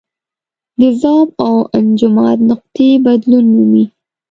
د ذوب او انجماد نقطې بدلون مومي.